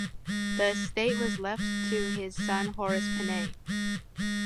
The estate was left to his son, Horace Pinhey.